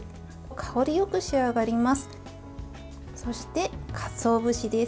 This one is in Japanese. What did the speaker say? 香りよく仕上がります。